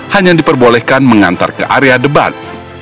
hanya diperbolehkan mengantar ke area debat